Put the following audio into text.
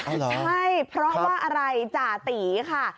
ใช่เพราะว่าอะไรจ่าตีค่ะ